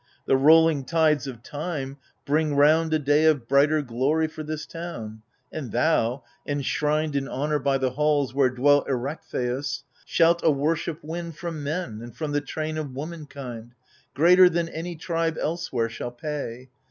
The rolling tides of time bring round A day of brighter glory for this town ; And thou, enshrined in honour by the halls Where dwelt Erechtheus, shalt a worship win From men and from the train of womankind. Greater than any tribe elsewhere shall pay.